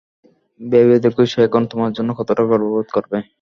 ভেবে দেখো সে এখন তোমার জন্য কতটা গর্ববোধ করবে।